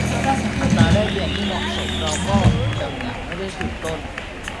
อัตราแลกเปลี่ยนที่เหมาะสมเราก็จะเหมือนไม่ได้ถูกปล้น